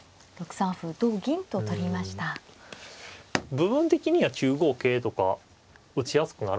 部分的には９五桂とか打ちやすくなるんですけどね。